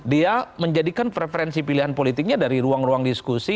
dia menjadikan preferensi pilihan politiknya dari ruang ruang diskusi